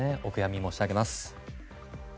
お悔やみ申し上げます。